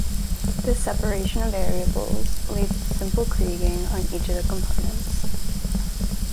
This separation of variables leads to simple kriging on each of the components.